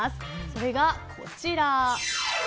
それが、こちら。